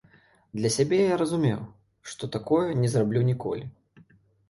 Для сябе я разумеў, што такое не зраблю ніколі.